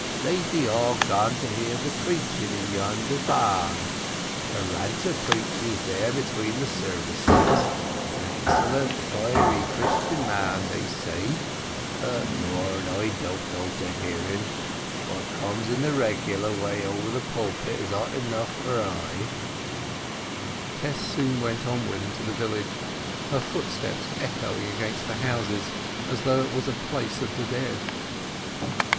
They be all gone to hear the preaching in yonder barn. A ranter preaches there between the services—an excellent, fiery, Christian man, they say. But, Lord, I don't go to hear'n! What comes in the regular way over the pulpit is hot enough for I." Tess soon went onward into the village, her footsteps echoing against the houses as though it were a place of the dead.